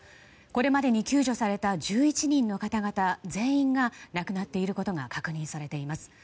これまでに救助された１１人の方々全員が亡くなっていることが確認されています。